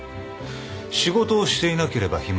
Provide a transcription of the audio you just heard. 仕事をしていなければ暇。